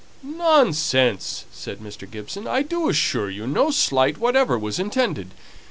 "Nonsense!" said Mr. Gibson. "I do assure you, no slight whatever was intended.